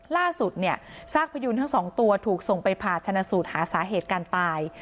ล่าสุดเนี่ยซากพยูนทั้งสองตัวถูกส่งไปผ่าชนะสูตรหาสาเหตุการตาย